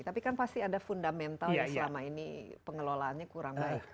tapi kan pasti ada fundamental yang selama ini pengelolaannya kurang baik